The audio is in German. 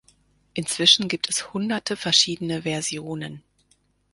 Inzwischen gibt es Hunderte verschiedene Versionen.